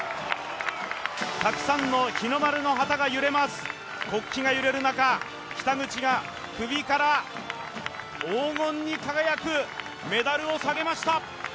たくさんの日の丸の旗が揺れます、国旗が揺れる中北口が首から黄金に輝くメダルをさげました。